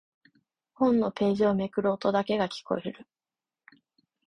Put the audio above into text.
本のページをめくる音だけが聞こえる。